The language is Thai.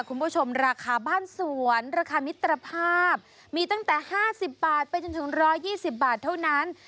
คุณผู้ชมราคาบ้านสวนราคามิตรภาพมีตั้งแต่ห้าสิบบาทไปจนถึงร้อยยี่สิบบาทเท่านั้น